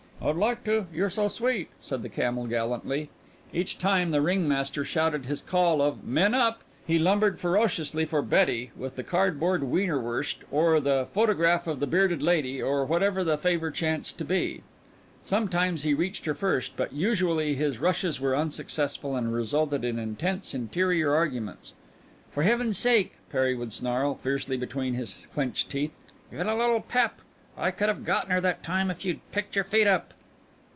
"I'd like to; you're so sweet," said the camel gallantly. Each time the ringmaster shouted his call of "Men up!" he lumbered ferociously for Betty with the cardboard wienerwurst or the photograph of the bearded lady or whatever the favor chanced to be. Sometimes he reached her first, but usually his rushes were unsuccessful and resulted in intense interior arguments. "For Heaven's sake," Perry would snarl, fiercely between his clenched teeth, "get a little pep! I could have gotten her that time if you'd picked your feet up."